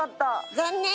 残念！